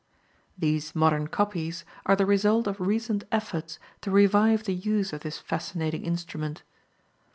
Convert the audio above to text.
These modern copies are the result of recent efforts to revive the use of this fascinating instrument.